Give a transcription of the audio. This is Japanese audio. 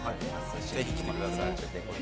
ぜひ来てください。